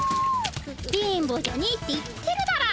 電ボじゃねえって言ってるだろ。